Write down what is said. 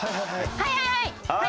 「はいはいはいはい！」。